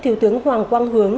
thiếu tướng hoàng quang hướng